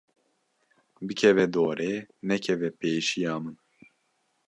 Bikeve dorê, nekeve pêşiya min.